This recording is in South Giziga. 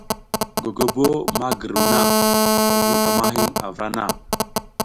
Gogobo ma giruw na, vur ka ma hin a vra na.